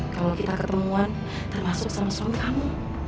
kalau kita ketemuan termasuk sama sama kamu